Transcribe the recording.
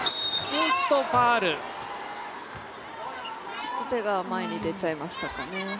ちょっと手が前に出ちゃいましたかね。